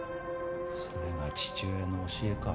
それが父親の教えか？